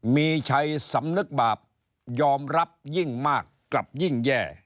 มีชัยสำนึกบาปยอมรับยิ่งมากกลับยิ่งแย่